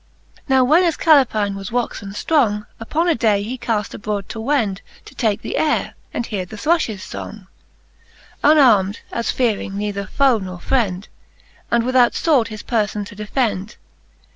XVII. Now when as Calepine was woxen ftrong, Upon a day he caft abrode to wend, To take the ayre, and heare the thruflies fong, Unarm'd, as fearing neither foe nor frend, And without fword his perfbn to defend.